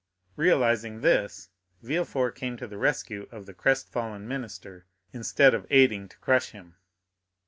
Realizing this, Villefort came to the rescue of the crest fallen minister, instead of aiding to crush him.